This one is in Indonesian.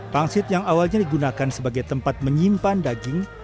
pangsit yang awalnya digunakan sebagai tempat menyimpan daging